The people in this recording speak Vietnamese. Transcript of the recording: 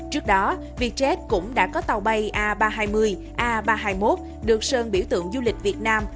trước đó vietjet cũng đã có tàu bay a ba trăm hai mươi a ba trăm hai mươi một được sơn biểu tượng du lịch việt nam